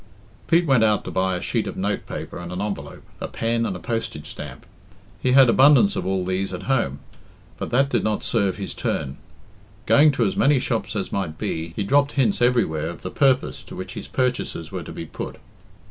Pete went out to buy a sheet of notepaper and an envelope, a pen, and a postage stamp. He had abundance of all theso at home, but that did not serve his turn. Going to as many shops as might be, he dropped hints everywhere of the purpose to which his purchases were to be put.